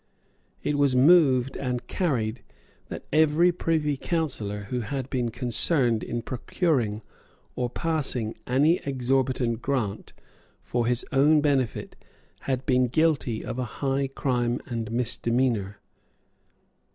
It was moved and carried that every Privy Councillor who had been concerned in procuring or passing any exorbitant grant for his own benefit had been guilty of a high crime and misdemeanour.